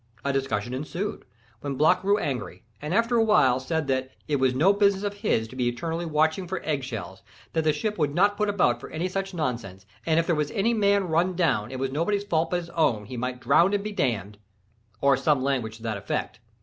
A discussion ensued, when Block grew angry, and, after a while, said that "it was no business of his to be eternally watching for egg shells; that the ship should not put about for any such nonsense; and if there was a man run down, it was nobody's fault but his own, he might drown and be dammed" or some language to that effect.